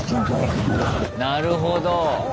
なるほど。